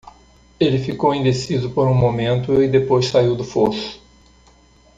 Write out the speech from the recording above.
Ele ficou indeciso por um momento e depois saiu do fosso.